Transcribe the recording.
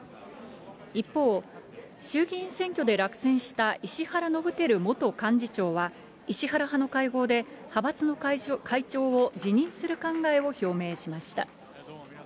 一方、衆議院選挙で落選した石原伸晃元幹事長は、石原派の会合で、派閥の会長を辞任する考えを表明しました。